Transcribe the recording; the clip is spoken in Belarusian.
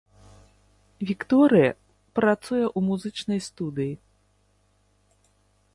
Вікторыя, працуе ў музычнай студыі.